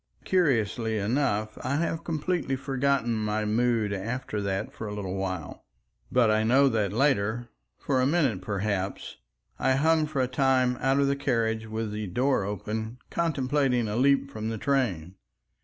... Curiously enough I have completely forgotten my mood after that for a little while, but I know that later, for a minute perhaps, I hung for a time out of the carriage with the door open, contemplating a leap from the train.